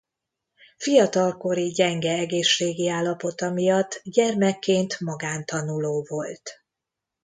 Fiatalkori gyenge egészségi állapota miatt gyermekként magántanuló volt.